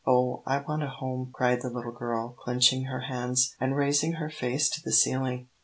"Oh, I want a home," cried the little girl, clenching her hands, and raising her face to the ceiling.